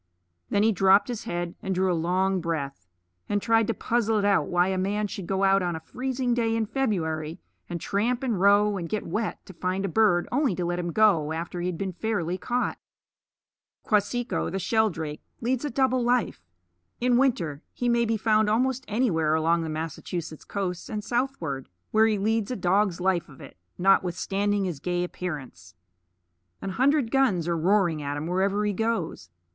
Then he dropped his head, and drew a long breath, and tried to puzzle it out why a man should go out on a freezing day in February, and tramp, and row, and get wet to find a bird, only to let him go after he had been fairly caught. Kwaseekho the shelldrake leads a double life. In winter he may be found almost anywhere along the Massachusetts coast and southward, where he leads a dog's life of it, notwithstanding his gay appearance. An hundred guns are roaring at him wherever he goes.